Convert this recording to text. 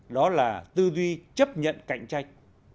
đó là tư duy chấp nhận cạnh tranh